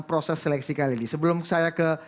proses seleksi kali ini sebelum saya ke